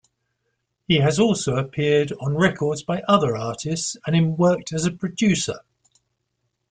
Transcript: He has also appeared on records by other artists and worked as a producer.